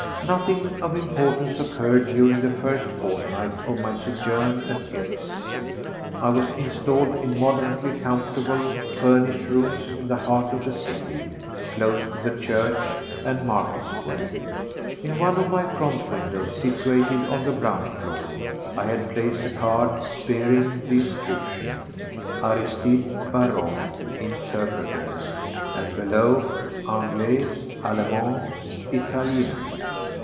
Nothing of importance occurred during the first fortnight of my sojourn at Gex. I was installed in moderately comfortable, furnished rooms in the heart of the city, close to the church and market square. In one of my front windows, situated on the ground floor, I had placed a card bearing the inscription: "Aristide Barrot, Interpreter," and below, "Anglais, Allemand, Italien."